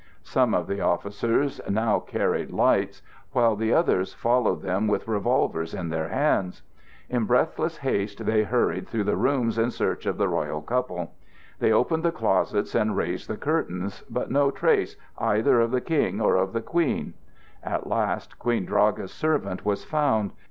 Some of the officers now carried lights, while the others followed them with revolvers in their hands. In breathless haste they hurried through the rooms in search of the royal couple. They opened the closets and raised the curtains, but no trace either of the King or of the Queen. At last Queen Draga's servant was found.